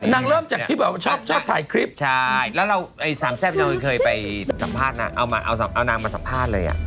นางเริ่มจากที่แบบชอบถ่ายคลิปแล้วเราเคยไปสัมภาษณ์เอานางมาสัมภาษณ์เลย